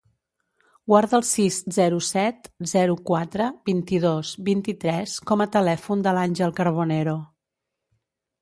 Guarda el sis, zero, set, zero, quatre, vint-i-dos, vint-i-tres com a telèfon de l'Àngel Carbonero.